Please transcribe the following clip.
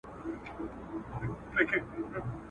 میرو ملک سي بلوخاني سي ..